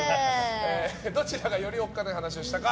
どちらがよりおっかない話をしたか